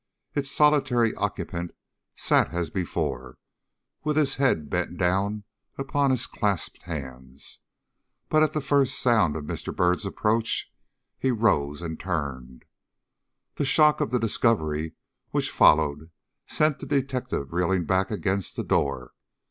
Its solitary occupant sat as before, with his head bent down upon his clasped hands. But at the first sound of Mr. Byrd's approach he rose and turned. The shock of the discovery which followed sent the detective reeling back against the door.